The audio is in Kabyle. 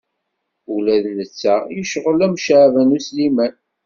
Ula d netta yecɣel am Caɛban U Sliman.